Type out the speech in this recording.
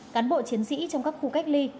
cán bộ chiến sĩ trong các khu cách ly